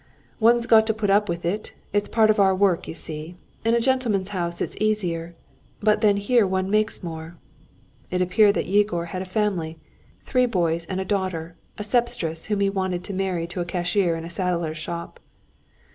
"One's got to put up with it! It's part of our work, you see. In a gentleman's house it's easier; but then here one makes more." It appeared that Yegor had a family, three boys and a daughter, a sempstress, whom he wanted to marry to a cashier in a saddler's shop.